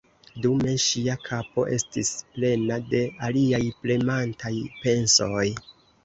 Dume ŝia kapo estis plena de aliaj premantaj pensoj.